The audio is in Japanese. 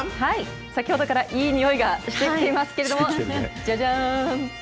先ほどからいい匂いがしてきていますけれども、じゃじゃーん！